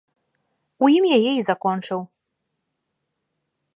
У ім яе і закончыў.